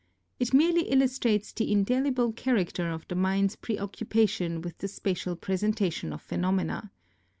It merely illustrates the indelible character of the mind's preoccupa tion with the spatial presentation of phenomena.